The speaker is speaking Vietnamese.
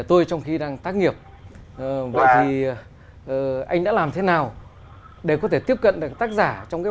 tôi trong khi đang tác nghiệp vậy thì anh đã làm thế nào để có thể tiếp cận được tác giả trong cái